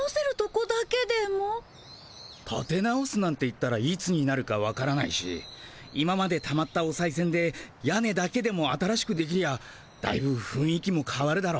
たて直すなんて言ったらいつになるかわからないし今までたまったおさいせんで屋根だけでも新しくできりゃだいぶふんい気もかわるだろう。